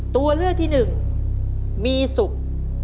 ตัวเลือกที่๑มีศุกร์